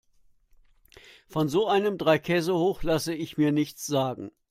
Von so einem Dreikäsehoch lasse ich mir nichts sagen.